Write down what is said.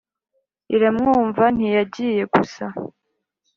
iramwumva ntiyagiye gusa